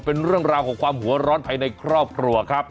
เป็นเรื่องราวของความหัวร้อนภายในครอบครัวครับ